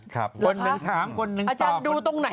คนหนึ่งถามคนหนึ่งอาจารย์ดูตรงไหน